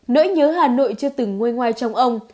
nỗi nhớ hà nội chưa từng ngôi ngoài trong ông